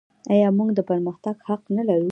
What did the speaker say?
آیا موږ د پرمختګ حق نلرو؟